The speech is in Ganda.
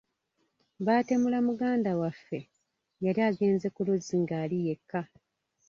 Baatemula muganda waffe yali agenze ku luzzi ng’ali yekka.